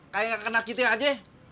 kayak gak kena kita aja